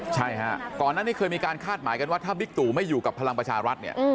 ใช่ฮะก่อนหน้านี้เคยมีการคาดหมายกันว่าถ้าบิ๊กตู่ไม่อยู่กับพลังประชารัฐเนี่ย